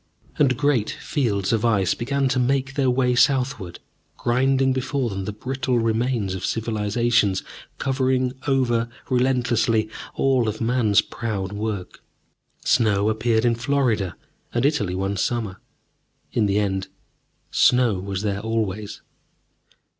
And great fields of ice began to make their way southward, grinding before them the brittle remains of civilizations, covering over relentlessly all of man's proud work. Snow appeared in Florida and Italy one summer. In the end, snow was there always.